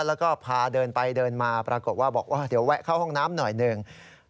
แล้วก็พาเดินไปเดินมาปรากฏว่าบอกว่าเดี๋ยวแวะเข้าห้องน้ำหน่อยหนึ่ง